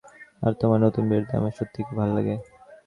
আর তোমার নতুন বাড়িটাও আমার সত্যিই খুব ভালো লাগে।